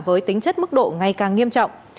với tính chất mức độ ngày càng nghiêm trọng